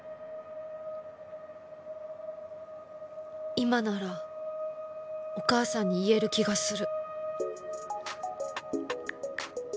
今ならお母さんに言える気がする